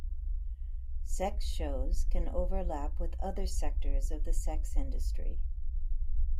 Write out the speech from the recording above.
Sex shows can overlap with other sectors of the sex industry.